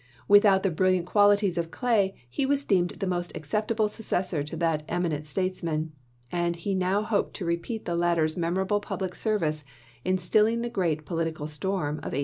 With out the brilliant qualities of Clay, he was deemed the most acceptable successor of that eminent statesman ; and he now hoped to repeat the latter's memorable public service in stilling the great po litical storm of 1850.